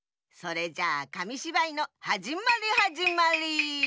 それじゃあかみしばいのはじまりはじまり！